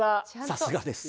さすがです。